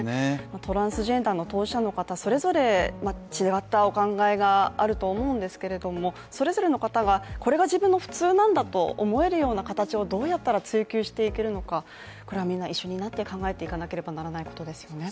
トランスジェンダーの当事者の方それぞれ違ったお考えがあると思うんですけれどもそれぞれの方がこれが自分の普通なんだと思えるような形をどうやったら追求していけるのかこれはみんな考えていかなければならないことですよね。